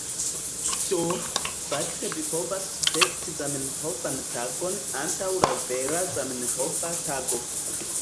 Do, fakte vi povas spekti Zamenhofan Tagon antaŭ la vera Zamenhofa Tago.